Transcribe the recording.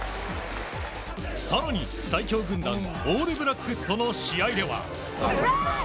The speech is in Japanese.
更に最強軍団オールブラックスとの試合では。